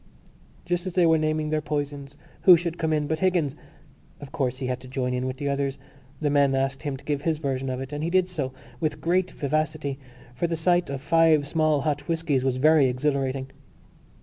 Just as they were naming their poisons who should come in but Higgins! Of course he had to join in with the others. The men asked him to give his version of it, and he did so with great vivacity for the sight of five small hot whiskies was very exhilarating.